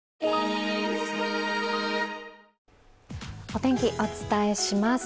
お天気、お伝えします。